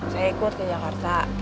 saya ikut ke jakarta